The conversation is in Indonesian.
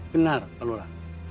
benar pak lora